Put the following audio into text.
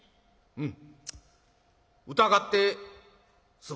「うん。